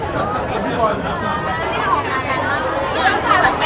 สเติมวันที่ที่อยู่ในลอง